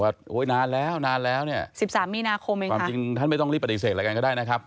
โอ๊ยนานแล้วนานแล้วเนี่ยสิบสามมีนาคมเองความจริงท่านไม่ต้องรีบปฏิเสธอะไรกันก็ได้นะครับ